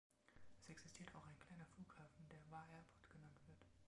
Es existiert auch ein kleiner Flughafen, der Wa Airport genannt wird.